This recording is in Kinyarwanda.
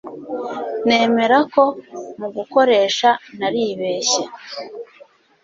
Nemera ko mugukoresha naribeshye